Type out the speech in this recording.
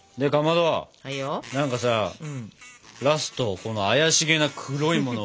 何かさラストこの怪しげな黒いものは。